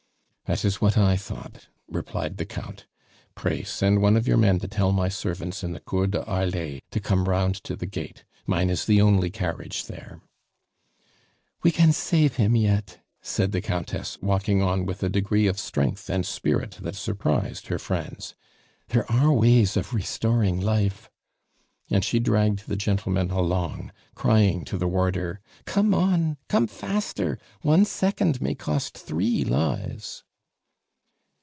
"That is what I thought," replied the Count. "Pray send one of your men to tell my servants in the Cour de Harlay to come round to the gate. Mine is the only carriage there." "We can save him yet," said the Countess, walking on with a degree of strength and spirit that surprised her friends. "There are ways of restoring life " And she dragged the gentlemen along, crying to the warder: "Come on, come faster one second may cost three lives!"